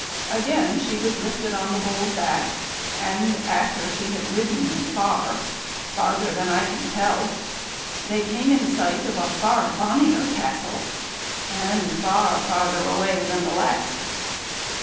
Again she was lifted on the Bull's back, and after she had ridden far, and farther than I can tell, they came in sight of a far bonnier castle, and far farther away than the last.